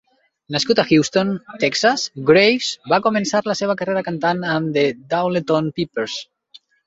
Nascut a Houston, Texas, Graves va començar la seva carrera cantant amb The Doodletown Pipers.